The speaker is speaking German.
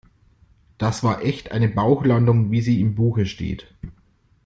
Das war echt eine Bauchlandung, wie sie im Buche steht.